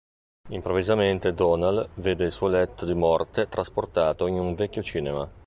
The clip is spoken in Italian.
Improvvisamente Donald vede il suo letto di morte trasportato in un vecchio cinema.